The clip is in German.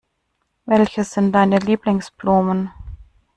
Welche sind deine Lieblingsblumen?